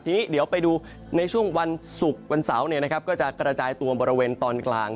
ทีนี้เดี๋ยวไปดูในช่วงวันศุกร์วันเสาร์ก็จะกระจายตัวบริเวณตอนกลาง